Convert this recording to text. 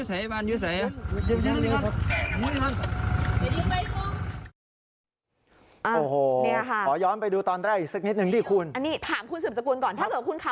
สวัสดีครับทุกคนวันนี้จะเป็นวันที่สุดท้ายในเมืองเมืองสุดท้าย